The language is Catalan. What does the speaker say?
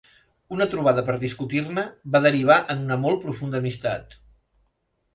Una trobada per discutir-ne va derivar en una molt profunda amistat.